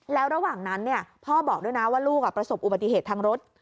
แล้วระหว่างนั้นพ่อบอกด้วยนะว่าลูกประสบอุบัติเหตุทางรถ